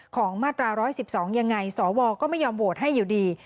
มาตรา๑๑๒ยังไงสวก็ไม่ยอมโหวตให้อยู่ดี